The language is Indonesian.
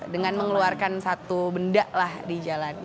dengan mengeluarkan satu benda lah di jalan